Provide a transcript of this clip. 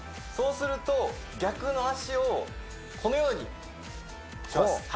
そうすると逆の足をこのようにします